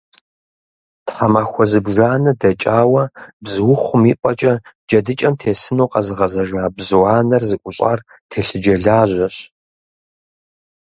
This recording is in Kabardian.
Тхьэмахуэ зыбжанэ дэкӀауэ бзуухъум и пӀэкӀэ джэдыкӀэм тесыну къэзыгъэзэжа бзу анэр зыӀущӀар телъыджэ лажьэщ.